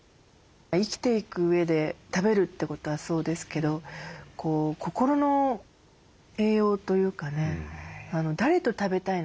生きていくうえで食べるってことはそうですけど心の栄養というかね誰と食べたいの？